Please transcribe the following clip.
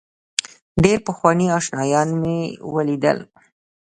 ډېر پخواني آشنایان مې ولیدل.